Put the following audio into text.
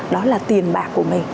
đó là tiền bạc của mình